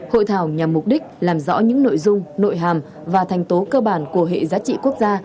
hội thảo nhằm mục đích làm rõ những nội dung nội hàm và thành tố cơ bản của hệ giá trị quốc gia